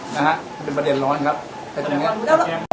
นะฮะเป็นประเด็นร้อนครับเพราะฉะนั้น